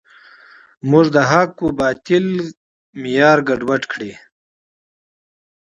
موږ د حق و باطل معیار ګډوډ کړی.